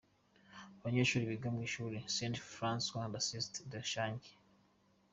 Abanyeshuri biga mu ishuri St François d’Assise de Shangi.